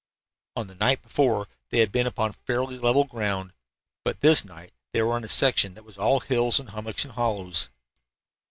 On the night before they had been upon fairly level ground, but this night they were in a section that was all hills and hummocks and hollows.